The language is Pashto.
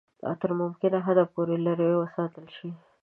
تر ممکنه حده پوري لیري وساتل شي.